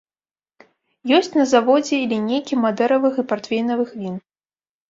Ёсць на заводзе і лінейкі мадэравых і партвейнавых він.